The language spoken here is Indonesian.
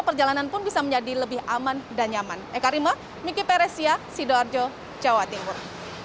perjalanan pun bisa menjadi lebih aman dan nyaman ekarimah miki peres ya sidoarjo jawa timur